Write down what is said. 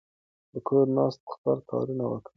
په کور ناست خپل کارونه وکړئ.